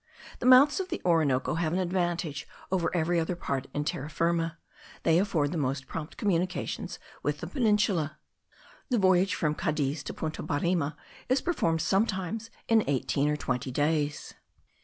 The mouths of the Orinoco have an advantage over every other part in Terra Firma. They afford the most prompt communications with the Peninsula. The voyage from Cadiz to Punta Barima is performed sometimes in eighteen or twenty days.